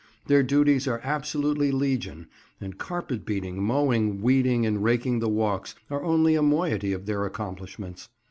Their duties are absolutely legion, and carpet beating, mowing, weeding, and raking the walks are only a moiety of their accomplishments.